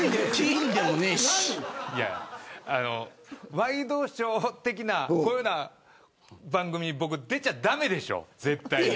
ワイドショー的なこういうような番組僕、出ちゃ駄目でしょ、絶対に。